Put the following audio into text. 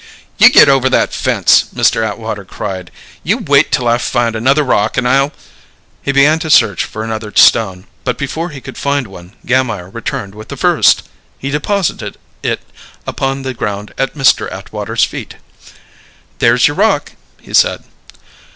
"You get over that fence!" Mr. Atwater cried. "You wait till I find another rock and I'll " He began to search for another stone, but, before he could find one, Gammire returned with the first. He deposited it upon the ground at Mr. Atwater's feet. "There's your rock," he said.